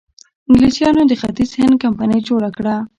انګلیسانو د ختیځ هند کمپنۍ جوړه کړه.